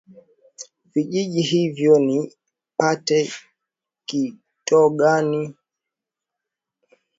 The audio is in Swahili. Vijiji hivyo ni Pete kitogani Ukongoroni Chwaka Unguja Ukuu Charawe Michamvi na cheju